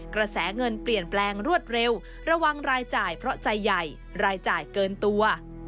กระแสเงินเปลี่ยนแปลงรวดเร็วระวังรายจ่ายเพราะใจใหญ่รายจ่ายเกินตัว